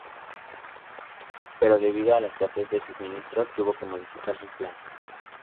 Pero debido a la escasez de suministros, tuvo que modificar sus planes.